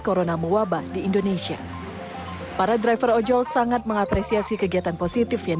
corona mewabah di indonesia para driver ojol sangat mengapresiasi kegiatan positif yang